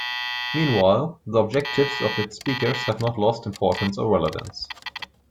Meanwhile, the objectives of its speakers have not lost importance or relevance.